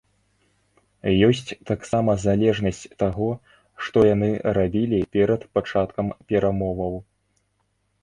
Ёсць таксама залежнасць таго, што яны рабілі перад пачаткам перамоваў.